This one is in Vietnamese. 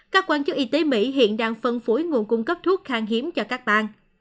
các quan chức y tế mỹ hiện đang phân phối nguồn cung cấp thuốc kháng hiếm cho các bang